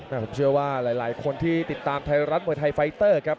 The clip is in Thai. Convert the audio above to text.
ผมเชื่อว่าหลายคนที่ติดตามไทยรัฐมวยไทยไฟเตอร์ครับ